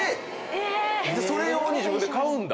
それ用に自分で買うんだ